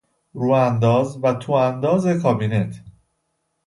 رو انداز و تو انداز کابینت